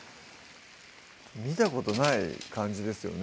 見たことない感じですよね